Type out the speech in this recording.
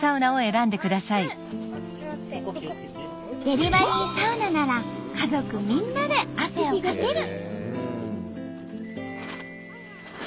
デリバリーサウナなら家族みんなで汗をかける。